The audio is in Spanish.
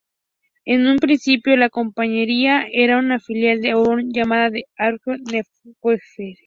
En un principio la compañía era una filial de Aeroflot, llamada Aeroflot-Neftejugansk.